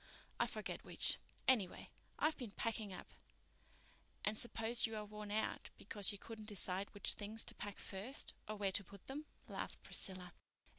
I forget which. Anyway, I've been packing up." "And I suppose you are worn out because you couldn't decide which things to pack first, or where to put them," laughed Priscilla.